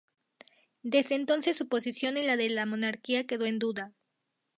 Desde entonces su posición y la de la monarquía quedó en duda.